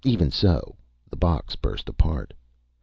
Even so, the box burst apart.